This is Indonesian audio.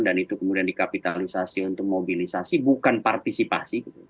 dan itu kemudian dikapitalisasi untuk mobilisasi bukan partisipasi